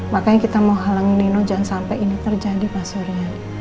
makanya kita mau halangin nino jangan sampai ini terjadi pak surya